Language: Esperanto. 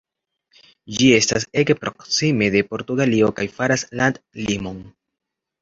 Ĝi estas ege proksime de Portugalio kaj faras landlimon.